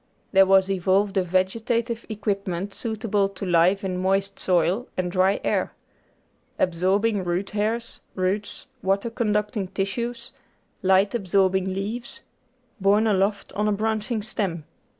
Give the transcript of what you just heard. There was evolved a vegetative equipment suitable to life in moist soil and dry air; absorbing root hairs, roots, water conducting tissues; light absorbing leaves, borne aloft on a branching stem.